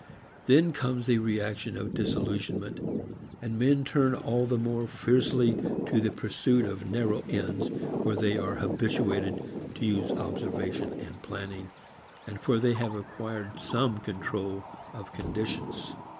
Then comes the reaction of disillusionment, and men turn all the more fiercely to the pursuit of narrow ends where they are habituated to use observation and planning and where they have acquired some control of conditions.